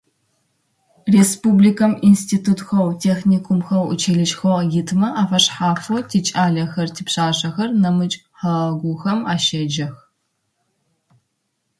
Республикэм институтхэу, техникумхэу, училищхэу итмэ афэшъхьафэу тикӏалэхэр, типшъашъэхэр нэмыкӏ хэгъэгухэм ащеджэх.